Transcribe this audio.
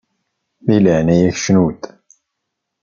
Di leɛnaya-k cnu-d!